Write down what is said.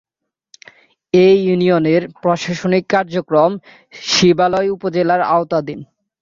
এ ইউনিয়নের প্রশাসনিক কার্যক্রম শিবালয় উপজেলার আওতাধীন